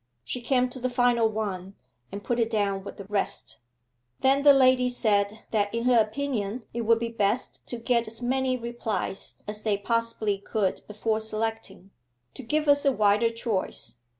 She came to the final one, and put it down with the rest. Then the lady said that in her opinion it would be best to get as many replies as they possibly could before selecting 'to give us a wider choice.